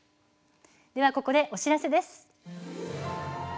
では、ここでお知らせです。